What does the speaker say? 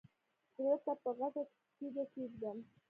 زړه ته به غټه تیګه کېږدم.